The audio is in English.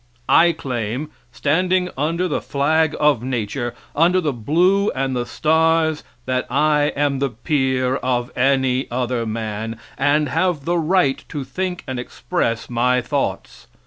I claim, standing under the flag of nature, under the blue and the stars, that I am the peer of any other man, and have the right to think and express my thoughts.